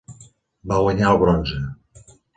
Va guanyar el bronze.